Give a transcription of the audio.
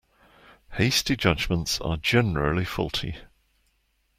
Hasty judgements are generally faulty.